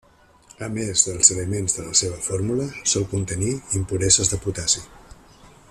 A més dels elements de la seva fórmula, sol contenir impureses de potassi.